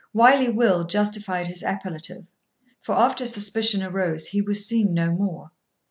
Wily Will justified his appellative; for, after suspicion arose, he was seen no more.